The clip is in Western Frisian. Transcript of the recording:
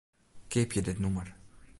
Keapje dit nûmer.